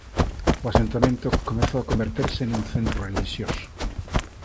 O asentamento comezou a converterse nun centro relixioso.